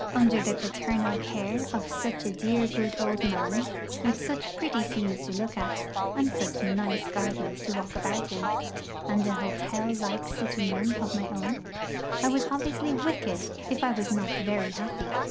Under the paternal care of such a dear good old man, with such pretty scenes to look at, and such nice gardens to walk about in, and an hotel like sitting room of my own, I was obviously wicked if I was not very happy.